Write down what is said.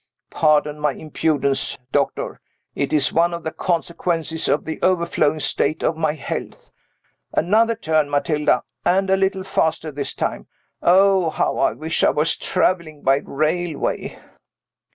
Pardon my impudence, doctor, it is one of the consequences of the overflowing state of my health. Another turn, Matilda and a little faster this time. Oh, how I wish I was traveling by railway!"